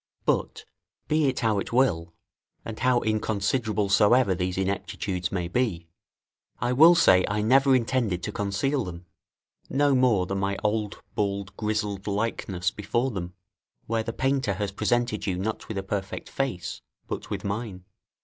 But, be it how it will, and how inconsiderable soever these ineptitudes may be, I will say I never intended to conceal them, no more than my old bald grizzled likeness before them, where the painter has presented you not with a perfect face, but with mine.